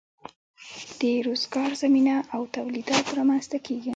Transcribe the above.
د روزګار زمینه او تولیدات رامینځ ته کیږي.